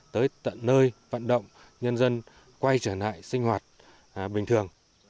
tới tận nơi vận động nhân dân quay trở lại sinh hoạt bình thường